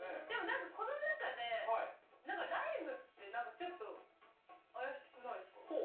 でも何かこの中で何かライムって何かちょっと怪しくないっすか？